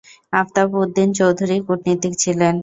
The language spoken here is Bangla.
আফতাব উদ্দিন চৌধুরী কূটনীতিক ছিলেন।